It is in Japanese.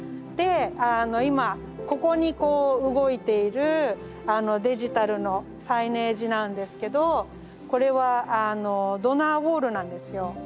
で今ここにこう動いているデジタルのサイネージなんですけどこれはドナーウォールなんですよ。